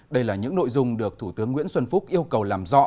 đây là những nội dung được thủ tướng nguyễn xuân phúc yêu cầu làm rõ